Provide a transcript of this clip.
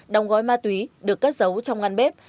đóng gói ma túy được cất giấu trong ngăn bếp